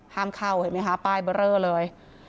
ห้ามเข่าตัวเลย